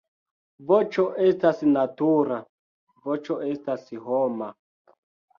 Voĉo estas natura, voĉo estas homa.